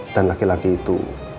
dan laki laki itu